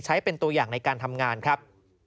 ใช้เป็นตัวอย่างในการทำงานครับ